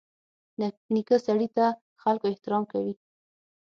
نیکه سړي ته خلکو احترام کوي.